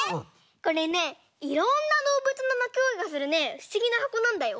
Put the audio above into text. これねいろんなどうぶつのなきごえがするねふしぎなはこなんだよ。